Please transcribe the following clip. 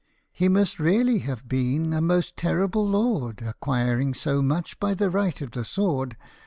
He must really have been a most terrible lord, Acquiring so much by the right of the sword.